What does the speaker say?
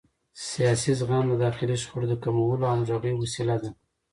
سیاسي زغم د داخلي شخړو د کمولو او همغږۍ وسیله ده